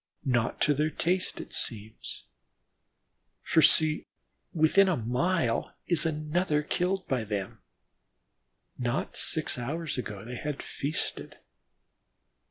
Not to their taste, it seems, for see! within a mile is another killed by them. Not six hours ago, they had feasted.